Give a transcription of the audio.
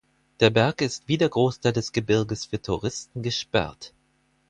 Der Berg ist wie der Großteil des Gebirges für Touristen gesperrt.